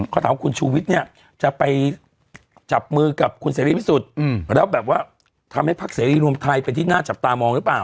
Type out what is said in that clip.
เขาถามว่าคุณชูวิทย์เนี่ยจะไปจับมือกับคุณเสรีพิสุทธิ์แล้วแบบว่าทำให้พักเสรีรวมไทยเป็นที่น่าจับตามองหรือเปล่า